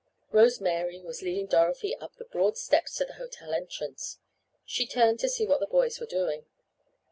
Rose Mary was leading Dorothy up the broad steps to the hotel entrance. She turned to see what the boys were doing.